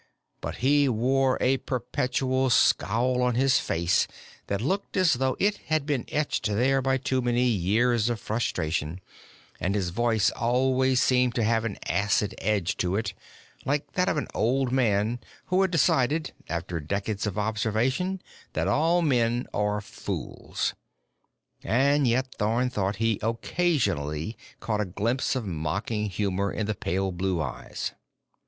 But he wore a perpetual scowl on his face that looked as though it had been etched there by too many years of frustration, and his voice always seemed to have an acid edge to it, like that of an old man who has decided, after decades of observation, that all men are fools. And yet Thorn thought he occasionally caught a glimpse of mocking humor in the pale blue eyes.